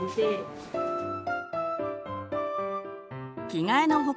着替えの他